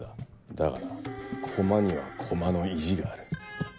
だがなコマにはコマの意地がある。